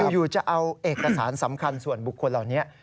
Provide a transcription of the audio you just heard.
อยู่จะเอาเอกสารสำคัญส่วนบุคคลเหล่านี้